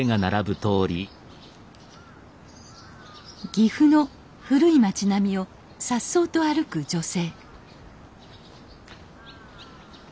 岐阜の古い町並みをさっそうと歩く女性